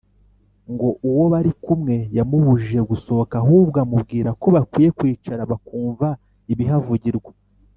ngo uwo bari kumwe yamubujije gusohoka ahubwo amubwira ko bakwiye kwicara bakumva ibihavugirwa